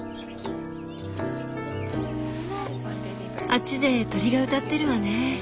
あっちで鳥が歌ってるわね。